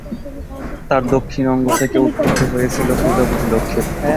তার দক্ষিণ অঙ্গ থেকে উৎপত্তি হয়েছিল প্রজাপতি দক্ষের।